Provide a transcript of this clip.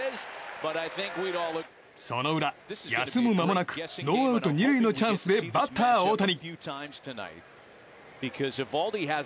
その裏、休む間もなくノーアウト２塁のチャンスでバッター大谷。